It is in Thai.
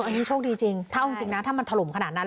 อันนี้โชคดีจริงถ้าเอาจริงนะถ้ามันถล่มขนาดนั้น